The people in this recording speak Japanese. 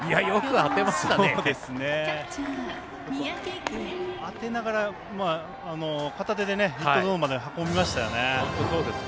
当てながら片手でヒットゾーンまで運びましたよね。